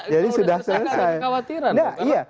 jadi sudah selesai